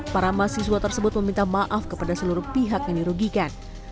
para mahasiswa tersebut meminta maaf kepada seluruh pihak yang dirugikan